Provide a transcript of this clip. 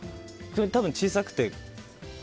多分小さくて。